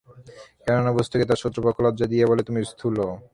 কেননা, বস্তুকে তার শত্রুপক্ষ লজ্জা দিয়ে বলে, তুমি স্থূল।